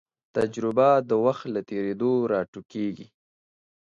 تجربه د وخت له تېرېدو راټوکېږي.